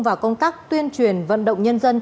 vào công tác tuyên truyền vận động nhân dân